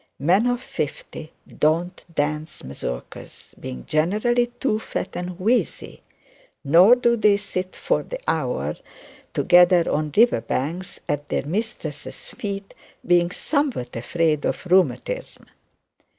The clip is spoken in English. Men of fifty don't dance mazurkas, being generally too fat and wheezy; nor do they sit for the hour together on river banks at their mistresses' feet, being somewhat afraid of rheumatism.